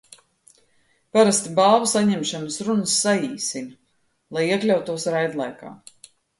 Parasti balvu saņemšanas runas saīsina, lai iekļautos raidlaikā.